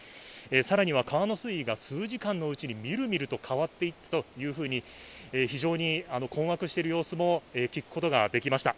更には川の水位が数時間のうちにみるみると変わっていったと非常に困惑している様子も聞くことができました。